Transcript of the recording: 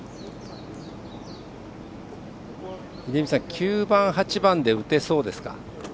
９番、８番で打てそうですか？